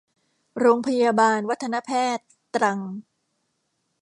โรงพยาบาลวัฒนแพทย์ ตรัง